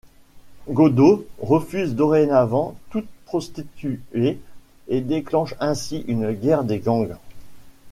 Godot refuse dorénavant toute prostituée et déclenche ainsi une guerre des gangs.